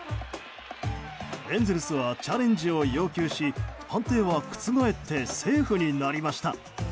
エンゼルスはチャレンジを要求し判定は覆ってセーフになりました。